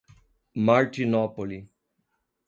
Martinópole